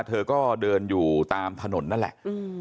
เธอก็เดินอยู่ตามถนนนั่นแหละ